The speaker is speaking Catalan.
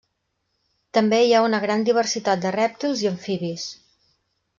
També hi ha una gran diversitat de rèptils i amfibis.